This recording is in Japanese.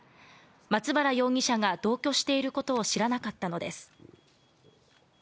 松原容疑者が同居していることを知らなかったのです。